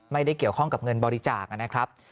ไม่ได้เกี่ยวข้องกับเงินบริจาคนะครับ